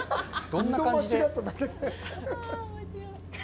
どんな感じで。